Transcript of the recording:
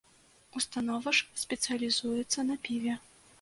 Установа ж спецыялізуецца на піве.